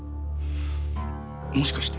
もしかして。